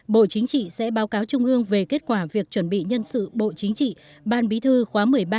bộ chính trị sẽ báo cáo trung ương về kết quả việc chuẩn bị nhân sự bộ chính trị ban bí thư khóa một mươi ba